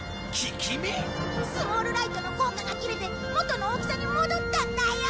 スモールライトの効果が切れて元の大きさに戻ったんだよ！